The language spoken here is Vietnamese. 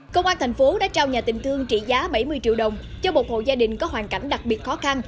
công an thành phố đã trao nhà tình thương trị giá bảy mươi triệu đồng cho một hộ gia đình có hoàn cảnh đặc biệt khó khăn